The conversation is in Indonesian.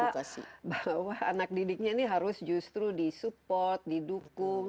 edukasi bahwa anak didiknya ini harus justru disupport didukung